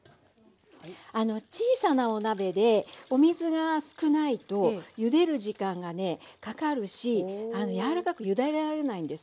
小さなお鍋でお水が少ないとゆでる時間がねかかるし柔らかくゆで上げられないんです。